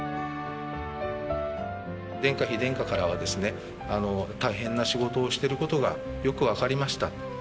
殿下妃殿下からはですね「大変な仕事をしてることがよく分かりました」